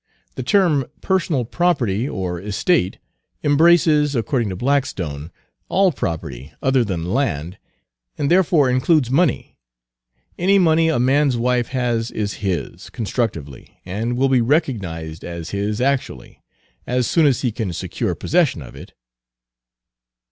The term 'personal property' or 'estate' embraces, according to Blackstone, all property other than land, and therefore includes money. Any money a man's wife has is his, constructively, and will be recognized Page 216 as his actually, as soon as he can secure possession of it."